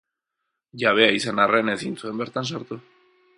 Jabea izan arren, ezin zuen bertan sartu.